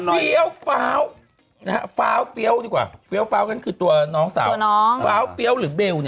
เฟี้ยวฟ้าวฟ้าวฟ้าวกันก็คือตัวน้องสาวตัวน้องฟ้าวฟ้าวหรือเบล